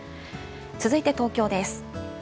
続いて東京です。